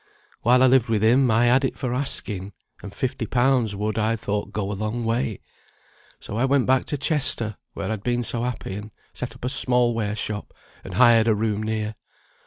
While I lived with him, I had it for asking; and fifty pounds would, I thought, go a long way. So I went back to Chester, where I'd been so happy, and set up a small ware shop, and hired a room near.